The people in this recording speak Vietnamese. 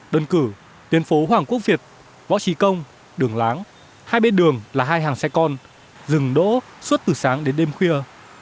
đơn cử tuyến phố hoàng quốc việt võ trí công đường láng hai bên đường là hai hàng xe con dừng đỗ suốt từ sáng đến đêm khuya